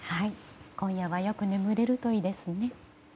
今夜はよく眠れるといいですね。